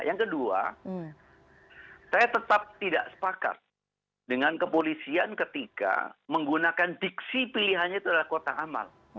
yang kedua saya tetap tidak sepakat dengan kepolisian ketika menggunakan diksi pilihannya itu adalah kotak amal